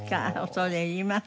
恐れ入ります。